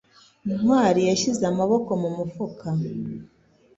Ntwali yashyize amaboko mu mufuka.